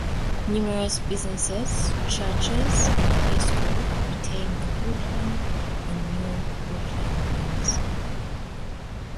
Numerous businesses, churches and a high school retain the Brookland and New Brookland names.